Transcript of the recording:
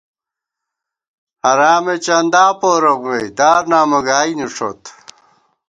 حرامے چندا پورَوَئی ، دارنامہ گائی نِݭوت